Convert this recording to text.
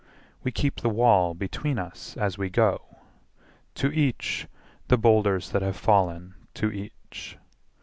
We keep the wall between us as we go. To each the boulders that have fallen to each.